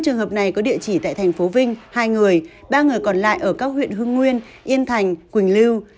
hai trường hợp này có địa chỉ tại thành phố vinh hai người ba người còn lại ở các huyện hưng nguyên yên thành quỳnh lưu